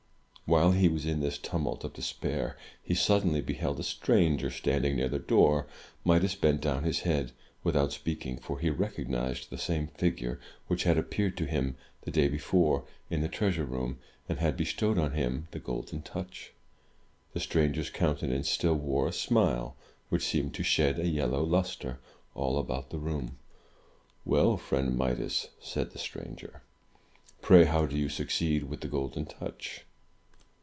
While he was in this tumult of despair, he suddenly beheld a stranger standing near the door. Midas bent down his head, without speaking; for he recognized the same figure which had appeared to him, the day before, in the treasure room, and had bestowed on him the Golden Touch. The stranger's counte nance still wore a smile, which seemed to shed a yellow luster all about the room. "Well, friend Midas,*' said the stranger, "pray how do you succeed with the Golden Touch?"